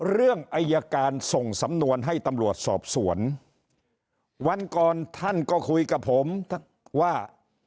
เรื่องอายการส่งสำนวนให้ตำรวจสอบสวนวันก่อนท่านก็คุยกับผมว่า